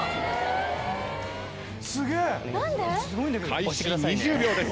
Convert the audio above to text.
開始２０秒です。